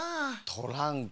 トランク。